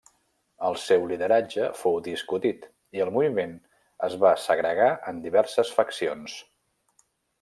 El seu lideratge fou discutit, i el moviment es va segregar en diverses faccions.